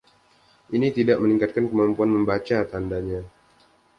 Ini tidak meningkatkan kemampuan membaca tandanya.